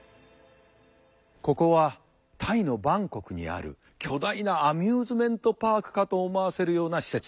ここはタイのバンコクにある巨大なアミューズメントパークかと思わせるような施設。